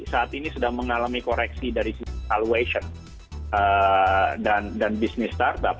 saat ini sedang mengalami koreksi dari alwation dan bisnis startup